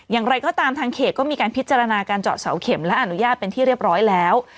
อย่างไรก็ตามทางเขตก็มีการพิจารณาการเจาะเสาเข็มและอนุญาตเป็นที่เรียบร้อยแล้ว